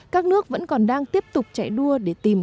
các nước vẫn còn đang tiếp tục chạy đua để tiến hành